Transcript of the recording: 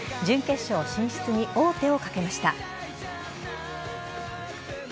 準決勝進出に王手をかけました。